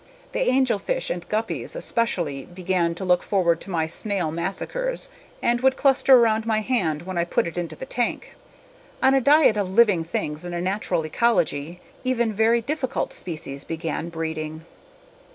The angelfish and guppies especially began to look forward to my snail massacres and would cluster around my hand when I put it into the tank. On a diet of living things in a natural ecology even very difficult species began breeding.